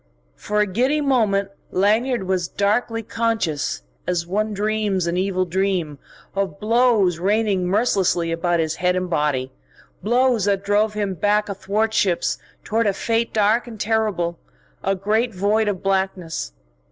For a giddy moment Lanyard was darkly conscious as one dreams an evil dream of blows raining mercilessly about his head and body, blows that drove him back athwartships toward a fate dark and terrible, a great void of blackness.